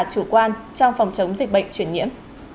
chủ quan trong phòng chống dịch bệnh chuyển nhiễm